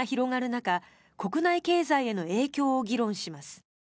中国内経済への影響を議論します。